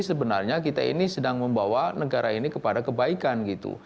sebenarnya kita ini sedang membawa negara ini kepada kebaikan gitu